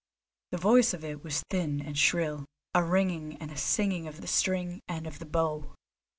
The voice of it was thin and shrill, a ringing and a singing of the string and of the bow.